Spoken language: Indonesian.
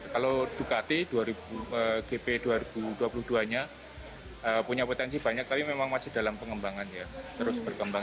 kalau ducati gp dua ribu dua puluh dua punya potensi banyak tapi memang masih dalam pengembangan